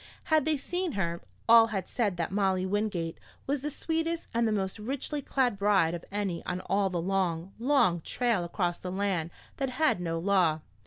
Had they seen her, all had said that Molly Wingate was the sweetest and the most richly clad bride of any on all the long, long trail across the land that had no law.